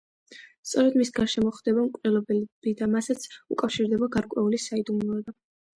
სწორედ, მის გარშემო ხდება მკვლელობები და მასაც უკავშირდება გარკვეული საიდუმლოება.